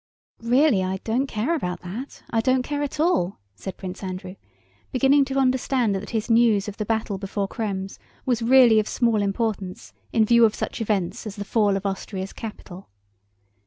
"Really I don't care about that, I don't care at all," said Prince Andrew, beginning to understand that his news of the battle before Krems was really of small importance in view of such events as the fall of Austria's capital.